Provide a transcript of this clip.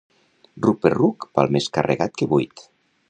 Ruc per ruc, val més carregat que buit.